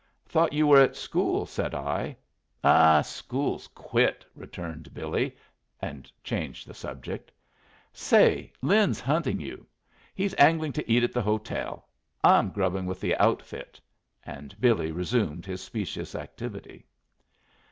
"Thought you were at school," said I. "Ah, school's quit," returned Billy, and changed the subject. "Say, Lin's hunting you. He's angling to eat at the hotel. I'm grubbing with the outfit." And Billy resumed his specious activity.